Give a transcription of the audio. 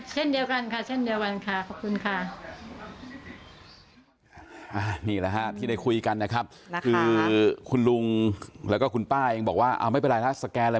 เช่นเดียวกันค่ะขอบคุณค่ะ